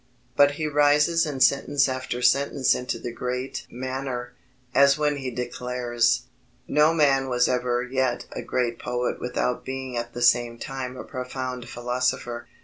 But he rises in sentence after sentence into the great manner, as when he declares: No man was ever yet a great poet without being at the same time a profound philosopher.